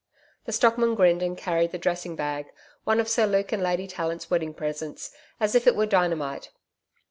The stockman grinned and carried the dressing bag one of Sir Luke's and Lady Tallant's wedding presents as if it were dynamite.